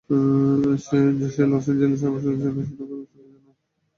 সে Los Angeles পুলিশের অনুসরন কৌশল জানে।